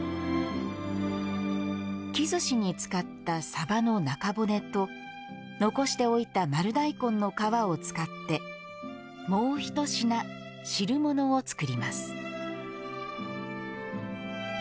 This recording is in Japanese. きずしに使った、さばの中骨と残しておいた丸大根の皮を使ってもうひと品、汁物を作ります。